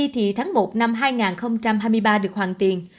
thì tháng một năm hai nghìn hai mươi ba được hoàn tiền